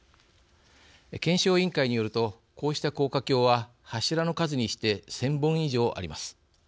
検証委員会によるとこうした高架橋は、柱の数にして１０００本以上あります。